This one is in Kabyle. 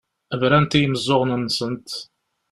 Brant i yimeẓẓuɣen-nsent.